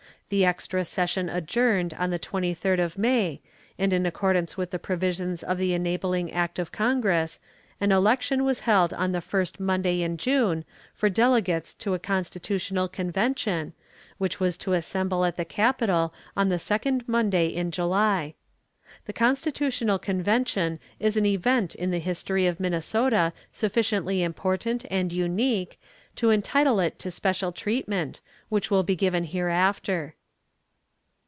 The extra session adjourned on the 23d of May, and in accordance with the provisions of the enabling act of congress, an election was held on the first Monday in June for delegates to a constitutional convention, which was to assemble at the capitol on the second Monday in July. The constitutional convention is an event in the history of Minnesota sufficiently important and unique to entitle it to special treatment, which will be given hereafter.